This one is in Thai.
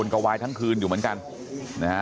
ลูกสาวหลายครั้งแล้วว่าไม่ได้คุยกับแจ๊บเลยลองฟังนะคะ